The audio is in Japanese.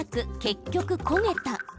結局、焦げた。